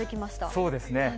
そうですね。